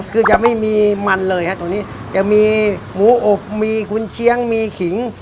คือจะไม่มีมันเลยฮะตัวนี้จะมีหมูอบมีคุณเชียงมีขิง